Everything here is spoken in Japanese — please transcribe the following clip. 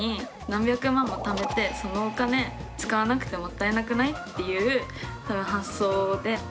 何百万もためてそのお金使わなくてもったいなくない？っていう発想で。